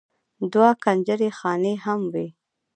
دوه کنجرې خانې هم وې.